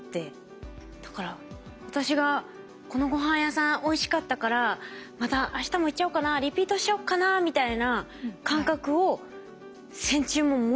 だから私がこのごはん屋さんおいしかったからまたあしたも行っちゃおうかなリピートしちゃおうかなみたいな感覚を線虫も持っているんですか？